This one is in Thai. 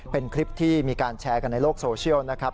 เป็นคลิปที่มีการแชร์กันในโลกโซเชียลนะครับ